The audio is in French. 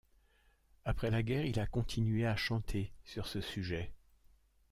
Après la guerre, il a continué à chanter sur ce sujet.